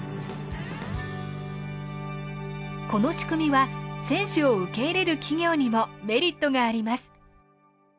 この仕組みは選手を受け入れる企業にもメリットがあります。